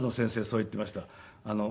そう言っていました。